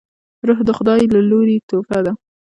روح د خداي له لورې تحفه ده